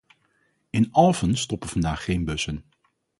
In Alphen stoppen vandaag geen bussen.